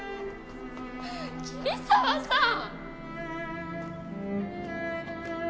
桐沢さん！